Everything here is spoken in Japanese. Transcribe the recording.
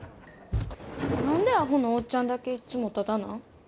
何でアホのおっちゃんだけいつもタダなん？